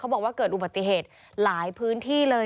บอกว่าเกิดอุบัติเหตุหลายพื้นที่เลย